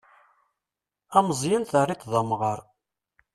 Ameẓẓyan terriḍ-t d amɣar.